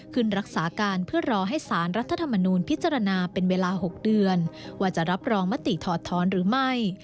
ขึ้นรักษาการเพื่อรอให้สารรัฐธรรมนูลพิจารณาเป็นเวลา๖เดือนว่าจะรับรองมติถอดท้อนหรือไม่